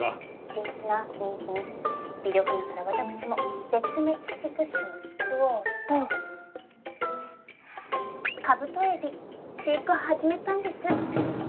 ちなみに微力ながら私も絶滅危惧種を救おうとカブトエビ飼育始めたんです。